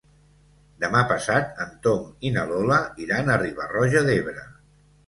Demà passat en Tom i na Lola iran a Riba-roja d'Ebre.